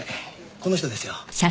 この人ですよ。